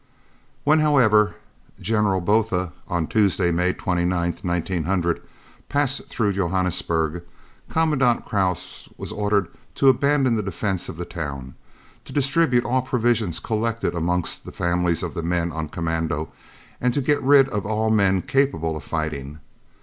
When, however, General Botha on Tuesday, May 29th, 1900, passed through Johannesburg, Commandant Krause was ordered to abandon the defence of the town, to distribute all provisions collected amongst the families of the men on commando, and to get rid of all men capable of fighting.